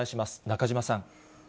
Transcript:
中島さん。